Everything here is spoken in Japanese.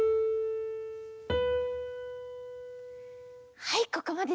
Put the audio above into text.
はいここまでです！